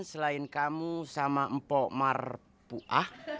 selain kamu sama mpok marpuah